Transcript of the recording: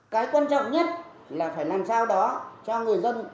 cái quan trọng nhất là phải làm sao đó cho người dân